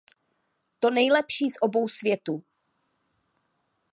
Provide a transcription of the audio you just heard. To nejlepší z obou světů